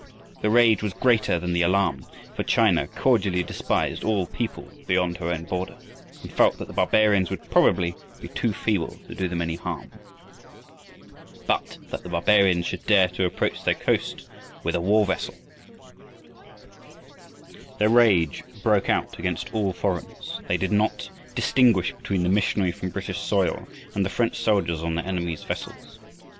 The rage was greater than the alarm, for China cordially despised all peoples beyond her own border, and felt that the barbarians would probably be too feeble to do them any harm. But that the barbarians should dare to approach their coast with a war vessel! That was a terrible insult, and the fierce indignation of the people knew no bounds. Their rage broke out against all foreigners. They did not distinguish between the missionary from British soil and the French soldiers on their enemy's vessels.